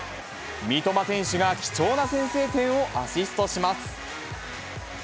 三笘選手が貴重な先制点をアシストします。